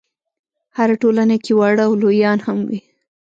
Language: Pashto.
هره ټولنه کې واړه او لویان هم وي.